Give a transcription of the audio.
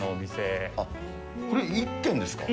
これ、１軒ですか？